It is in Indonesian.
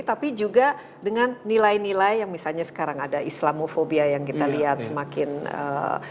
tapi juga dengan nilai nilai yang misalnya sekarang ada islamofobia yang kita lihat semakin ee